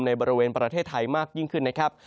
ในบริเวณประเทศไทยมากยิ่งขึ้นนะครับ